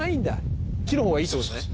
木の方がいいって事ですね。